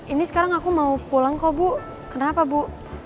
ini sekarang aku mau pulang kok bu kenapa bu